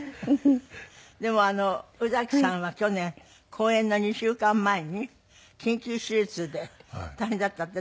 でも宇崎さんは去年公演の２週間前に緊急手術で大変だったって。